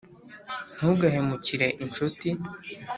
ntugahemukire inshuti